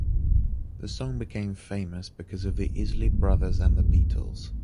The song became famous because of The Isley Brothers and The Beatles.